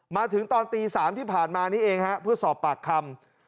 มาถึงตอนตี๓ที่ผ่านมานี้เองฮะเพื่อสอบปากคำ